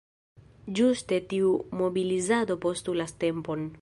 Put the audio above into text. Ĝuste tiu mobilizado postulas tempon.